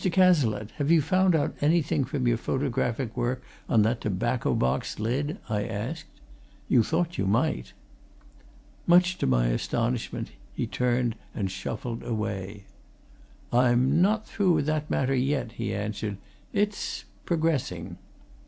Cazalette, have you found out anything from your photographic work on that tobacco box lid?" I asked. "You thought you might." Much to my astonishment, he turned and shuffled away. "I'm not through with that matter, yet," he answered. "It's progressing."